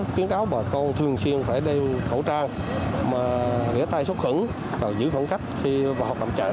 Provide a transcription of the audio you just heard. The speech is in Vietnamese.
tuyến cáo bà con thường xuyên phải đeo khẩu trang vẽ tay sốt khẩn và giữ khoảng cách khi vào cặp chợ